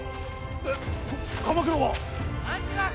鎌倉は？